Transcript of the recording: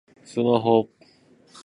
スマホ